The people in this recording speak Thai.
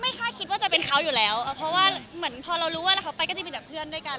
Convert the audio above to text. คาดคิดว่าจะเป็นเขาอยู่แล้วเพราะว่าเหมือนพอเรารู้ว่าแล้วเขาไปก็จะมีแต่เพื่อนด้วยกัน